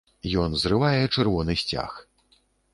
Ён зрывае чырвоны сцяг.